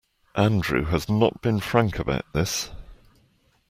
Andrew has not been frank about this.